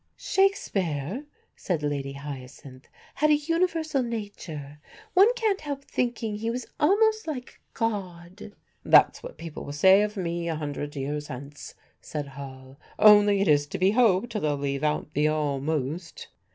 "Shakespeare," said Lady Hyacinth, "had a universal nature; one can't help thinking he was almost like God." "That's what people will say of me a hundred years hence," said Hall; "only it is to be hoped they'll leave out the 'almost.